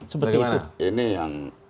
seperti itu ini yang